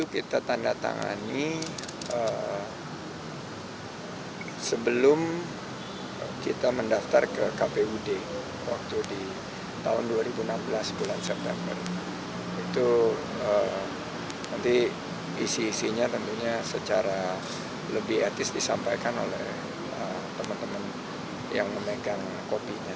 kopinya tentunya secara lebih etis disampaikan oleh teman teman yang memegang kopinya